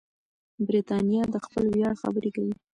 برتانیه د خپل ویاړ خبرې کوي.